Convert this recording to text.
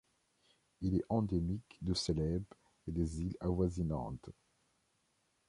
Il est endémique de Célèbes et des îles avoisinantes.